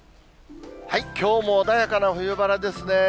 きょうも穏やかな冬晴れですね。